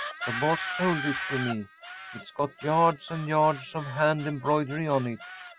The boss sold it to me. It’s got yards and yards of hand embroidery on it.